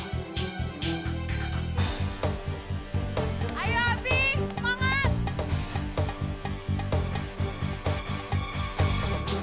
mawarah saya pemergahu